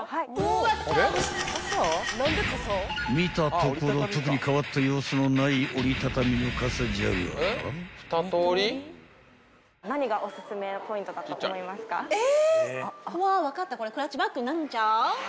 ［見たところ特に変わった様子のない折り畳みの傘じゃが］え？